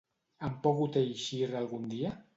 Han pogut eixir algun dia?